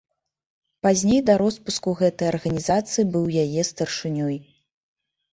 Пазней да роспуску гэтай арганізацыі быў яе старшынёй.